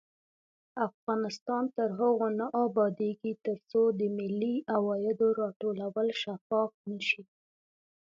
افغانستان تر هغو نه ابادیږي، ترڅو د ملي عوایدو راټولول شفاف نشي.